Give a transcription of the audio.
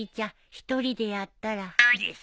一人でやったら？